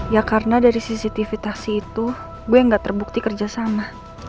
ya karena dari cctv taksi itu gue gak terbukti kerja sama